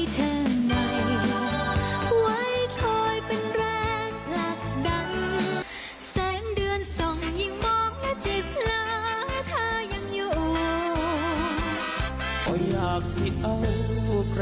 ต้องใช้แรงฝั่นฝ้าอยู่เมืองสวรรค์